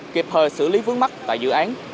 kịp thời xử lý vướng mắt tại dự án